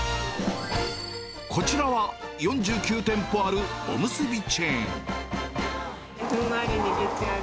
こちらは４９店舗あるおむすびチェーン。